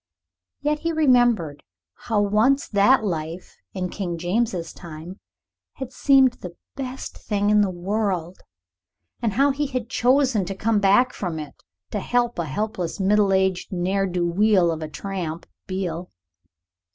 Yet he remembered how once that life, in King James's time, had seemed the best thing in the world, and how he had chosen to come back from it, to help a helpless middle aged ne'er do weel of a tramp Beale.